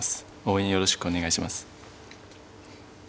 応援よろしくお願いします。